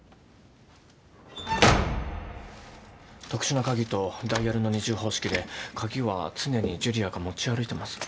特殊な鍵とダイヤルの二重方式で鍵は常に樹里亜が持ち歩いてます。